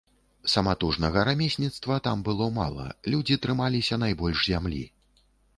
Саматужнага рамесніцтва там было мала, людзі трымаліся найбольш зямлі.